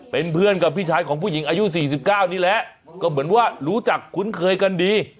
เป็นเพื่อนกับพี่ชายของผู้หญิงอายุ๔๙นี่แหละก็เหมือนว่ารู้จักคุ้นเคยกันดี